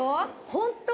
ホント？